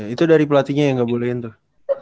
itu dari pelatihnya yang gak bolehin tuh